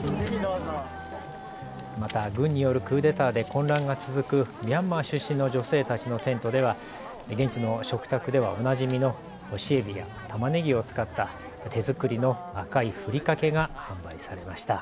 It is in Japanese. また軍によるクーデターで混乱が続くミャンマー出身の女性たちのテントでは現地の食卓ではおなじみの干しえびやたまねぎを使った手作りの赤いふりかけが販売されました。